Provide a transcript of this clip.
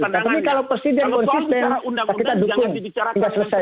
tapi kalau presiden konsisten kita dukung